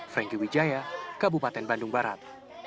franky wijaya kabupaten bandung barat